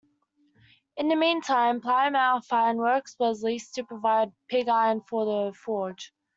In the meantime, Plymouth ironworks was leased to provide pig iron for the forge.